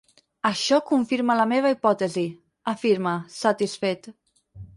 Això confirma la meva hipòtesi —afirma, satisfet—.